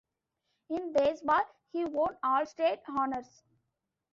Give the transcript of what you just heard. In baseball, he won All-State honors.